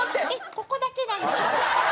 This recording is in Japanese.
ここだけなんです。